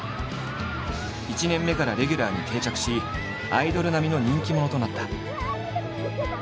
１年目からレギュラーに定着しアイドル並みの人気者となった。